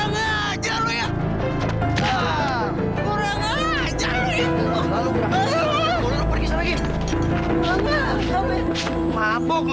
mabuk lu ya